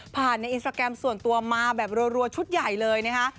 ในอินสตราแกรมส่วนตัวมาแบบรัวชุดใหญ่เลยนะคะ